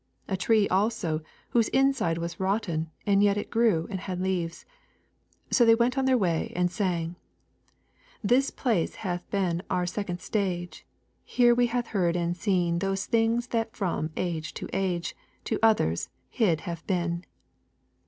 A tree also, whose inside was rotten, and yet it grew and had leaves. So they went on their way and sang: 'This place hath been our second stage, Here have we heard and seen Those good things that from age to age To others hid have been.